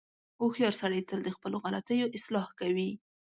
• هوښیار سړی تل د خپلو غلطیو اصلاح کوي.